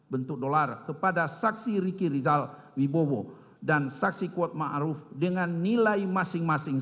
bentuk dolar kepada saksi ricky rizal wibowo dan saksi kuatma aruf dengan nilai masing masing